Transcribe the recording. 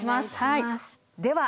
では